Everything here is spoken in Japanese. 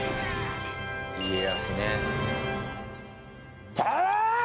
家康ね。